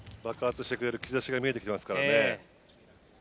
爆発してくれる兆しが見えてきていますからね。